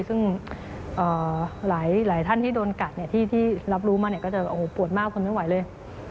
ซึ่งหลายท่านที่โดนกัดที่รับรู้มาจะบอกว่าโอ้โหปวดมากคนไม่ไหวเลย